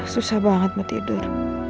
susah banget mau tidur